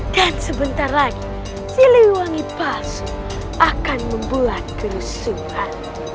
dan sebentar lagi siliwangi palsu akan membuat kerusuhan